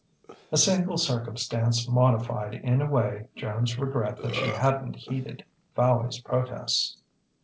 A single circumstance modified in a way Joan's regret that she hadn't heeded Fowey's protests.